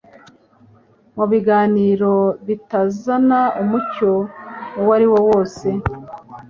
mu biganiro bitazana umucyo uwo ariwo wose.